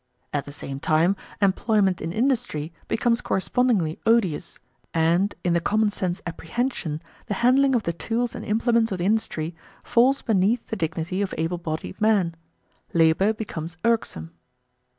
At the same time, employment in industry becomes correspondingly odious, and, in the common sense apprehension, the handling of the tools and implements of industry falls beneath the dignity of able bodied men. Labour becomes irksome.